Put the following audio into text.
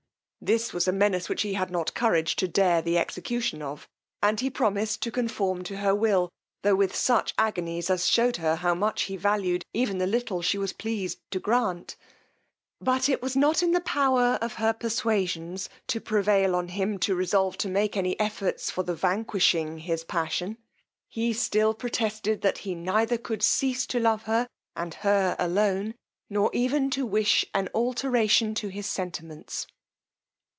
This was a menace which he had not courage to dare the execution of, and he promised to conform to her will, tho' with such agonies, as shewed her how much he valued even the little she was pleased to grant; but it was not in the power of her perswasions to prevail on him to resolve to make any efforts for the vanquishing his passion; he still protested that he neither could cease to love her, and her alone, nor even to wish an alteration in his sentiments.